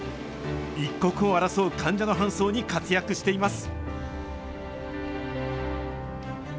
一刻を争う患者の搬送に活躍しています。